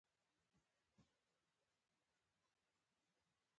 فلم د سوچ ښکارندوی دی